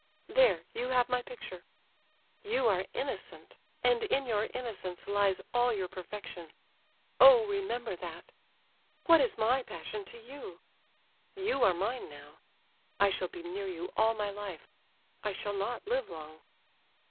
There you have my picture. "You are innocent—and in your innocence lies all your perfection—oh, remember that! What is my passion to you?—you are mine now; I shall be near you all my life—I shall not live long!"